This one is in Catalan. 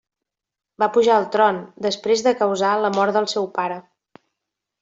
Va pujar al tron després de causar la mort del seu pare.